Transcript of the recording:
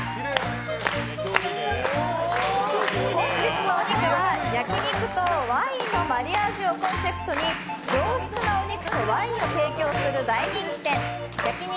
本日のお肉は、焼肉とワインのマリアージュをコンセプトに上質なお肉とワインを提供する大人気店焼肉